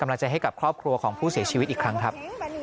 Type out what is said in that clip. กำลังใจให้กับครอบครัวของผู้เสียชีวิตอีกครั้งครับ